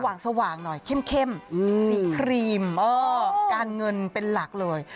สว่างหน่อยเข้มสีครีมการเงินเป็นหลักเลย